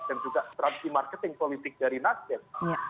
dan juga strategi marketing politik dari nasib